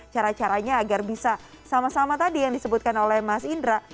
cara caranya agar bisa sama sama tadi yang disebutkan oleh mas indra